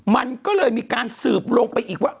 มันก็เลยมีการสืบลงไปอีกว่า